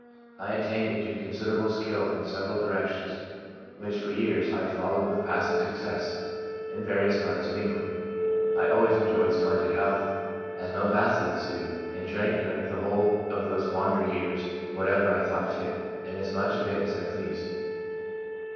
I attained to considerable skill in several directions which for years I followed with passing success in various parts of Eng land. I always enjoyed splendid health, as most athletes do, and drank during the whole of those wander years whatever I thought fit, and as much of it as I pleased.